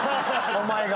お前が。